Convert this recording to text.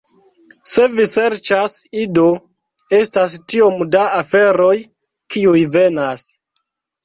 Se vi serĉas Ido, estas tiom da aferoj, kiuj venas